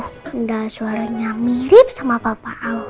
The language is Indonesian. udah suaranya mirip sama papa al